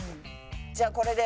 じゃあこれで。